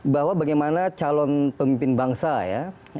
bahwa bagaimana calon pemimpin bangsa ya